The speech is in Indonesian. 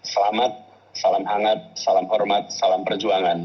selamat salam hangat salam hormat salam perjuangan